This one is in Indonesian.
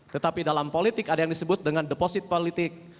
tetapi dalam politik ada yang disebut dengan deposit politik